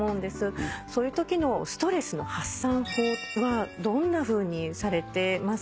そういうときのストレスの発散法はどんなふうにされてますか？